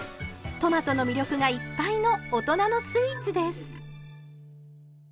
トマトの魅力がいっぱいの大人のスイーツです。